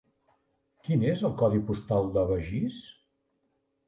Quin és el codi postal de Begís?